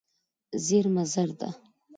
زېرمه زر ده.